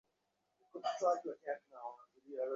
কিন্তু ঐ হাতুড়ি তোমাকে মেরে ফেলছে।